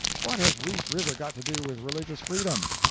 What has Reese River got to do with religious freedom?